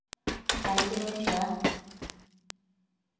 白金温泉